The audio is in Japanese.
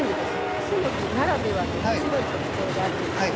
クスノキならではの面白い特徴があってですね